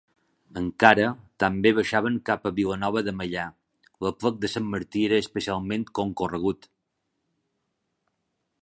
Encara, també baixaven cap a Vilanova de Meià: l'aplec de sant Martí era especialment concorregut.